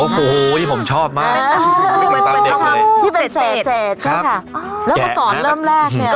โอ้โหที่ผมชอบมากไม่เคยตามเด็กเลยที่เป็นเจจใช่ไหมคะแล้วก็ก่อนเริ่มแรกเนี่ย